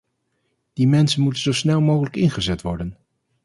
Die mensen moeten zo snel mogelijk ingezet worden.